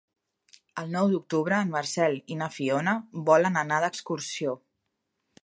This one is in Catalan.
El nou d'octubre en Marcel i na Fiona volen anar d'excursió.